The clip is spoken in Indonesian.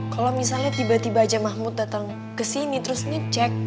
kalau misalnya tiba tiba aja mahmud datang kesini terus ini cek